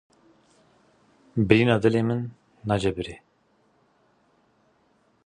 Birîna dilê min nacebire.